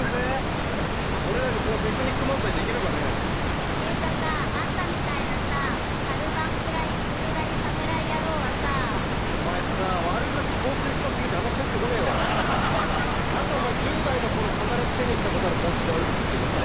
俺らにそのテクニック漫才できるかねていうかさあんたみたいなさカルバン・クラインブルガリサムライ野郎はさお前さ何でお前１０代の頃必ず手にしたことある香水で悪口言ってくんの？